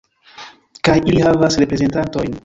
Kaj ili havas reprezentantojn.